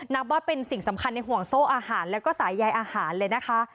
นับว่าเป็นสิ่งสำคัญในห่วงโซ่อาหารแล้วก็สายยายอาหารเลยนะคะ